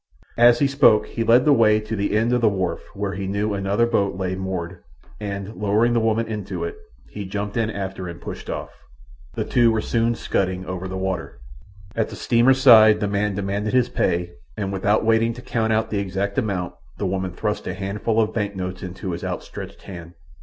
As he spoke he led the way to the end of the wharf where he knew another boat lay moored, and, lowering the woman into it, he jumped in after and pushed off. The two were soon scudding over the water. At the steamer's side the man demanded his pay and, without waiting to count out the exact amount, the woman thrust a handful of bank notes into his outstretched hand.